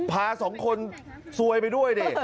พา๒คนซวยไปด้วย